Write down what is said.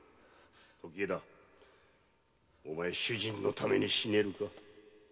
時枝お前主人のために死ねるか？